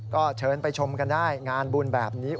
ก็เชิญไปชมกันได้งานบุญแบบนี้